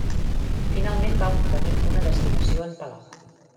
Finalment va obtenir una destinació en Palau.